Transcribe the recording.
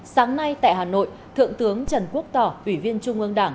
sáng nay tại hà nội thượng tướng trần quốc tỏ ủy viên trung ương đảng